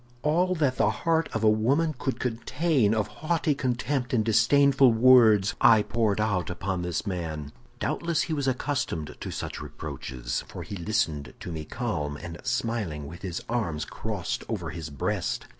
"All that the heart of a woman could contain of haughty contempt and disdainful words, I poured out upon this man. Doubtless he was accustomed to such reproaches, for he listened to me calm and smiling, with his arms crossed over his breast.